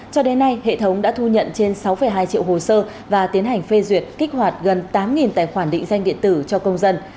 cho đến nay hệ thống đã thu nhận trên sáu hai triệu hồ sơ và tiến hành phê duyệt kích hoạt gần tám tài khoản định danh điện tử cho công dân